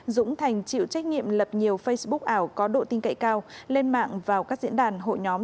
dũng thành chịu trách nhiệm lập nhiều facebook ảo có độ tin cậy cao lên mạng vào các diễn đàn hội nhóm